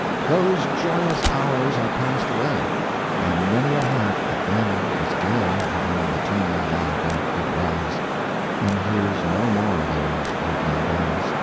Those joyous hours are passed away; And many a heart that then was gay, Within the tomb now darkly dwells, And hears no more those evening bells.